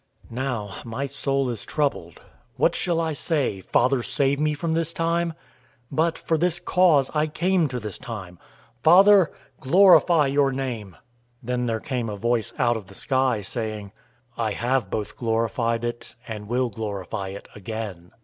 012:027 "Now my soul is troubled. What shall I say? 'Father, save me from this time?' But for this cause I came to this time. 012:028 Father, glorify your name!" Then there came a voice out of the sky, saying, "I have both glorified it, and will glorify it again."